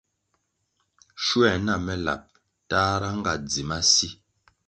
Schuer na me lab tahra nga dzi masi.